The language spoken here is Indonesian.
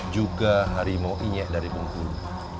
juga harimau inyek dari bungkulu